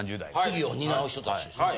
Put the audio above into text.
次を担う人達ですね。